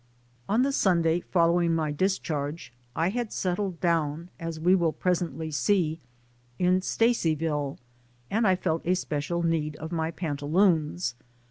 On the Sunday following my discharge, I had settled down, as we will presently see, in Stacy ville, and I felt a special need of my pantaloons.